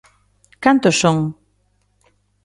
¿Cantos son?